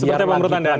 seperti apa menurut anda